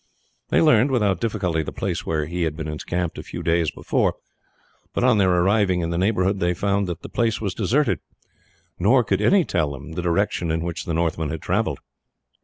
They learned without difficulty the place where he had been encamped a few days before, but on their arriving in the neighbourhood they found that the place was deserted, nor could any tell them the direction in which the Northmen had travelled.